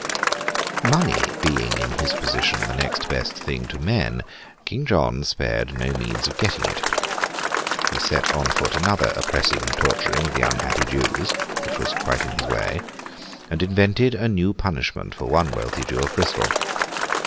Money being, in his position, the next best thing to men, King John spared no means of getting it. He set on foot another oppressing and torturing of the unhappy Jews (which was quite in his way), and invented a new punishment for one wealthy Jew of Bristol.